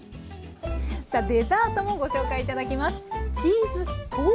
さあデザートもご紹介頂きます。